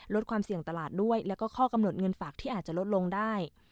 ลดความเสี่ยงตลาดด้วยแล้วก็ข้อกำหนดเงินฝากที่อาจจะลดลงได้